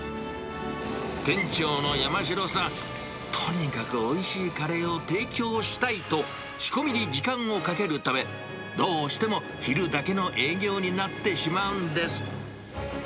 店長のやましろさん、とにかくおいしいカレーを提供したいと、仕込みに時間をかけるため、どうしても昼だけの営業になってしまうんです。